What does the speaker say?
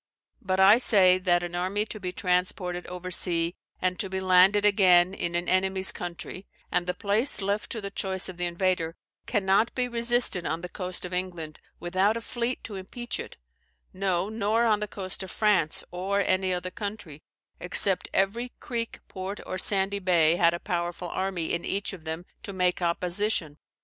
But I say that an army to be transported over sea, and to be landed again in an enemy's country, and the place left to the choice of the invader, cannot be resisted on the coast of England, without a fleet to impeach it; no, nor on the coast of France, or any other country; except every creek, port, or sandy bay, had a powerful army, in each of them, to make opposition.